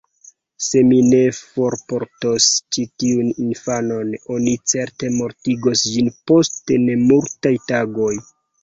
Se mi ne forportos ĉi tiun infanon, oni certe mortigos ĝin post nemultaj tagoj.